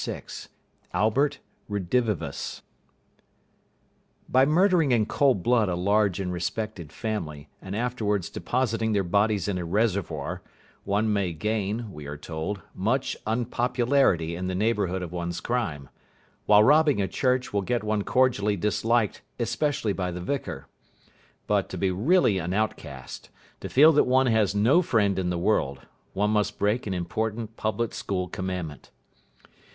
VI ALBERT REDIVIVUS By murdering in cold blood a large and respected family, and afterwards depositing their bodies in a reservoir, one may gain, we are told, much unpopularity in the neighbourhood of one's crime; while robbing a church will get one cordially disliked especially by the vicar. But, to be really an outcast, to feel that one has no friend in the world, one must break an important public school commandment.